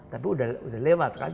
tapi sudah lewat kan